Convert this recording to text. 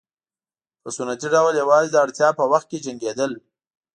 په سنتي ډول یوازې د اړتیا په وخت کې جنګېدل.